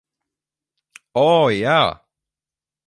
O, jā!